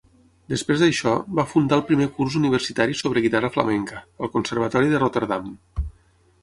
Després d'això, va fundar el primer curs universitari sobre guitarra flamenca, al Conservatori de Rotterdam.